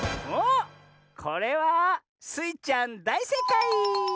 これはスイちゃんだいせいかい！